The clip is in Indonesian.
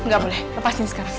gak boleh lepasin sekarang